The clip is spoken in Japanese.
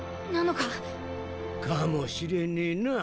かもしれねえなぁ。